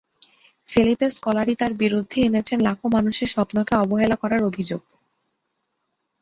Felipe Scolari তাঁর বিরুদ্ধে এনেছেন লাখো মানুষের স্বপ্নকে অবহেলা করার অভিযোগ।